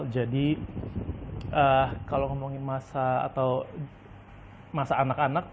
jadi kalau ngomongin masa atau masa anak anak